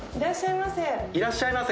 いらっしゃいませ。